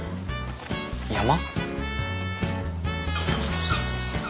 山？